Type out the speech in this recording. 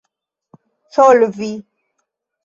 solvi